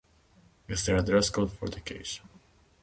Is there a dress code for the occasion?